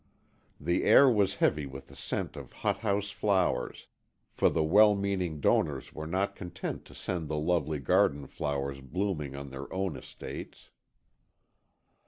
The air was heavy with the scent of hothouse flowers, for the well meaning donors were not content to send the lovely garden flowers blooming on their own estates.